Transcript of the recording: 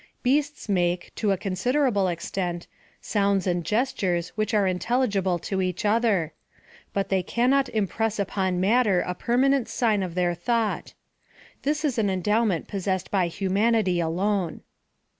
Beasts make, to a con siderable extent, sounds and gestures which are intelligible to each other; but they cannot impress upon matter a permanent si<^n of their thought This is an endowment possessed by humanity alone.